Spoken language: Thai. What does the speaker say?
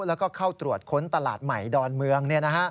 แล้วก็เข้าตรวจค้นตลาดใหม่ดอนเมือง